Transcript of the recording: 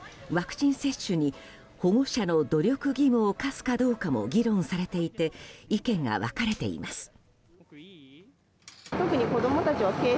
ワクチン接種に保護者の努力義務を課すかどうかも議論されていて意見が分かれています。